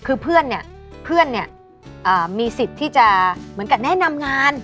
คือเพื่อนเนี่ยมีสิทธิ์ที่จะเหมือนกับแนะนำงาน